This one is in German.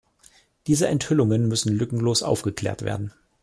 Diese Enthüllungen müssen lückenlos aufgeklärt werden.